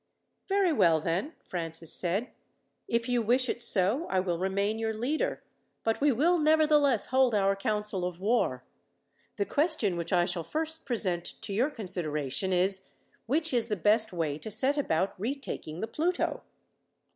"Very well, then," Francis said. "If you wish it so I will remain your leader, but we will nevertheless hold our council of war. The question which I shall first present to your consideration is, which is the best way to set about retaking the Pluto?"